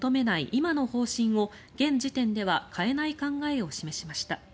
今の方針を現時点では変えない考えを示しました。